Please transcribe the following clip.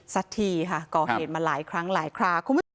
สักทีค่ะก่อเหตุมาหลายครั้งหลายครา